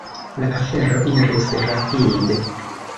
La afero iris rapide.